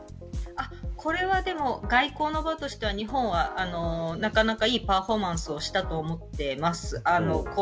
これは外交の場としては日本はなかなかいいパフォーマンスをしたと思っています。